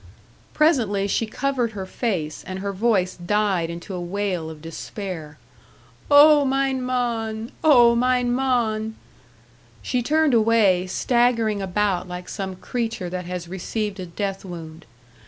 Presently she covered her face, and her voice died into a wail of despair: "O, mein Mann! O, mein Mann!" She turned away, staggering about like some creature that has received a death wound.